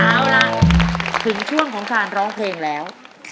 เอาล่ะถึงช่วงของการร้องเพลงแล้ว